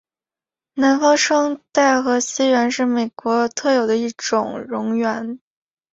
南方双带河溪螈是美国特有的一种蝾螈。